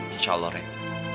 insya allah reh